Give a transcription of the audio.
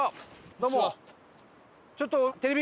どうも！